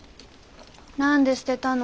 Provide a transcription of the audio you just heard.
何で捨てたの？